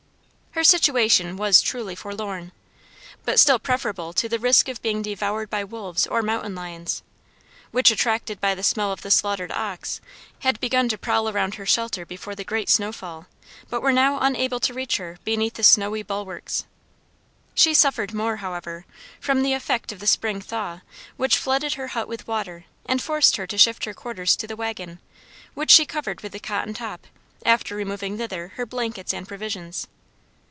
Her situation was truly forlorn, but still preferable to the risk of being devoured by wolves or mountain lions, which, attracted by the smell of the slaughtered ox, had begun to prowl around her shelter before the great snow fall, but were now unable to reach her beneath the snowy bulwarks. She suffered more, however, from the effect of the spring thaw which flooded her hut with water and forced her to shift her quarters to the wagon, which she covered with the cotton top, after removing thither her blankets and provisions.